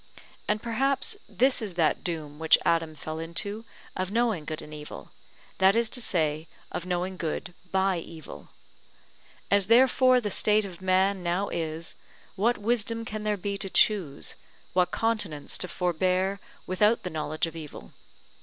And perhaps this is that doom which Adam fell into of knowing good and evil, that is to say of knowing good by evil. As therefore the state of man now is; what wisdom can there be to choose, what continence to forbear without the knowledge of evil?